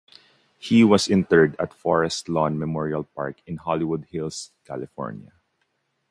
He was interred in Forest Lawn Memorial Park in Hollywood Hills, California.